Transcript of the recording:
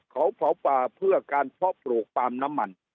เขาเผาป่าเพื่อการเพาะปลูกปาล์มน้ำมัน